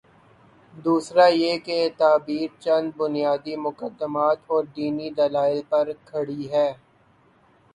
دوسرا یہ کہ یہ تعبیر چند بنیادی مقدمات اوردینی دلائل پر کھڑی ہے۔